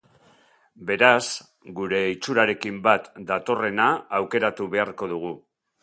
Beraz, gure itxurarekin bat datorrena aukeratu beharko dugu.